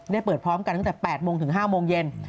เปิดพร้อมกันตั้งแต่๘โมงถึง๕โมงเย็น